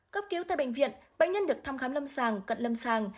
cấp cứu tại bệnh viện bệnh nhân được thăm khám lâm sàng cận lâm sàng